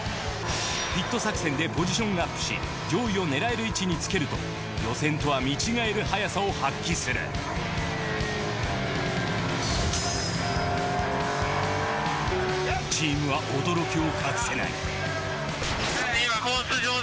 ピット作戦でポジションアップし上位を狙える位置につけると予選とは見違える速さを発揮するチームは驚きを隠せない